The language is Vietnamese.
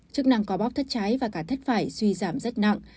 chức năng có bóc thất trái và cả thất phải suy giảm rất nặng